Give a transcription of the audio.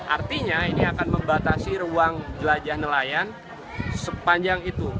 artinya ini akan membatasi ruang jelajah nelayan sepanjang itu